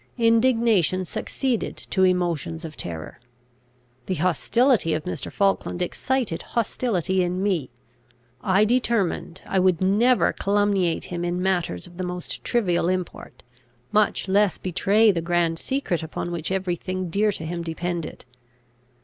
Indignation succeeded to emotions of terror. The hostility of Mr. Falkland excited hostility in me. I determined I would never calumniate him in matters of the most trivial import, much less betray the grand secret upon which every thing dear to him depended.